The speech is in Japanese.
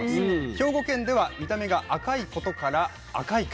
兵庫県では見た目が赤いことから「アカイカ」。